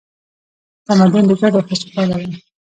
تمدن د ګډو هڅو پایله ده.